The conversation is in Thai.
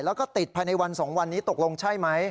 แล้วก็ติดภายในวัน๒วันนี้ตกลงใช่ไหม